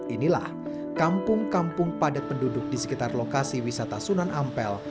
inilah kampung kampung padat penduduk di sekitar lokasi wisata sunan ampel